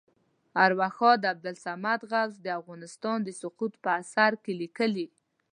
ارواښاد عبدالصمد غوث د افغانستان د سقوط په اثر کې لیکلي.